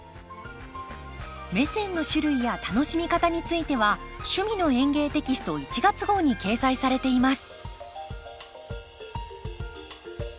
メセンの種類や楽しみ方については「趣味の園芸」テキスト１月号に掲載されています。